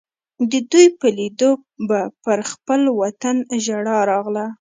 د دوی په لیدو به پر خپل وطن ژړا راغله.